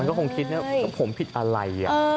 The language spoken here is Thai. ก็คงคิดว่าผมผิดอะไร